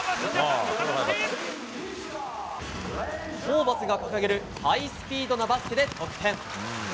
ホーバスが掲げるハイスピードなバスケで得点。